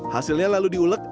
hasilnya lalu diulek